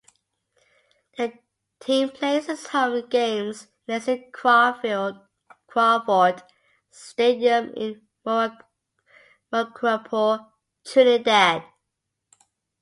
The team plays its home games in Hasely Crawford Stadium in Mucurapo, Trinidad.